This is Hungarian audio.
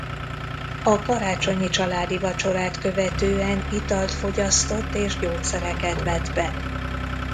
A karácsonyi családi vacsorát követően italt fogyasztott és gyógyszereket vett be.